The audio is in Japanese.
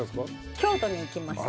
京都に行きました。